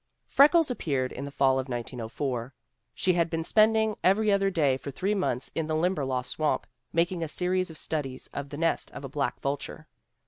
). Freckles appeared in the fall of 1904. She had been spending every other day for three months in the Limberlost swamp, making a series of studies of the nest of a black vulture.